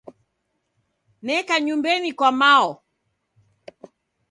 Neka nyumbenyi kwa mao.